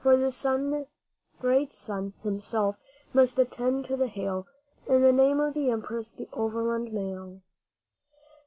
For the great Sun himself must attend to the hail: 'In the Name of the Empress, the Overland Mail!'